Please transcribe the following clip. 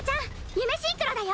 ユメシンクロだよ！